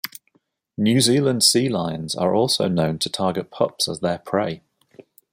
New Zealand sea lions are also known to target pups as their prey.